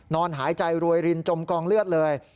นอนหายใจรวยรินจมกองเลือดเลย